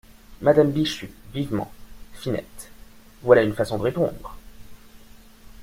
Madame Bichu , vivement. — Finette… voilà une façon de répondre !